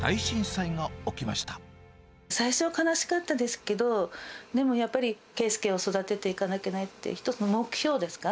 最初は悲しかったですけど、でもやっぱり、佳祐を育てていかなきゃいけないという、一つの目標ですか。